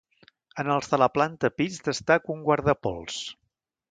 En els de la planta pis destaca un guardapols.